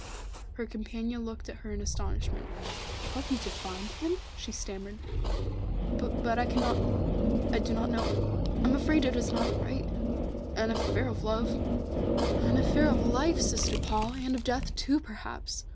Her companion looked at her in astonishment. "Help you to find him?" she stammered. "But I cannot I do not know I am afraid it is not right an affair of love " "An affair of life, Sister Paul, and of death too, perhaps.